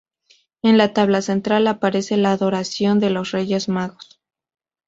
En la tabla central aparece la Adoración de los Reyes Magos.